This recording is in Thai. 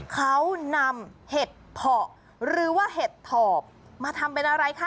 เขานำเห็ดเพาะหรือว่าเห็ดถอบมาทำเป็นอะไรคะ